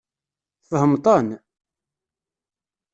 Tfehmeḍ-ten?